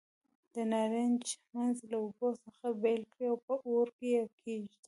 د نارنج منځ له اوبو څخه بېل کړئ او په اور یې کېږدئ.